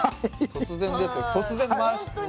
突然ですよ。